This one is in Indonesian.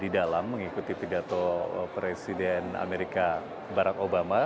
di dalam mengikuti pidato presiden amerika barat obama